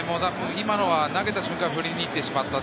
今のは投げた瞬間、振りに行ってしまった。